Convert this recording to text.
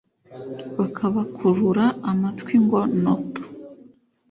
Bakabakurura amatwi ngo noto